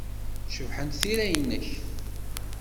Cebḥent tira-nnek.